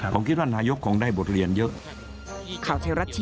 ผมคิดว่านายกคงได้บทเรียนเยอะ